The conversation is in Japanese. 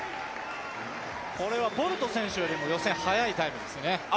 これはボルト選手よりも予選、速い選手ですね。